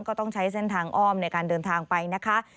ก็ต้องใช้เส้นทางอ้อมในการเดินทางไปนะคะ